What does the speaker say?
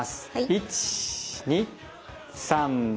１２３４